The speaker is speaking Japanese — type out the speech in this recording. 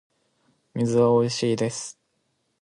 水はおいしいです